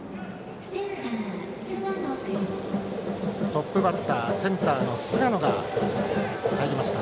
トップバッターセンターの菅野が入りました。